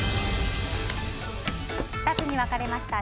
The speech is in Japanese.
２つに分かれました。